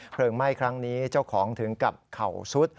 เพลิงไหม้ครั้งนี้เจ้าของถึงกับเข่าสุทฯ